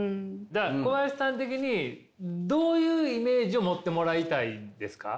小林さん的にどういうイメージを持ってもらいたいんですか？